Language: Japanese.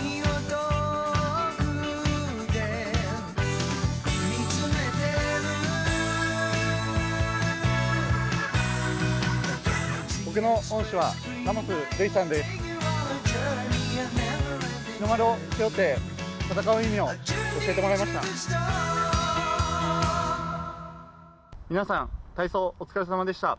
日の丸を背負って戦う意味を教えてもらいました。